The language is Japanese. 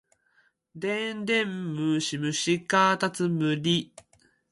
電電ムシムシかたつむり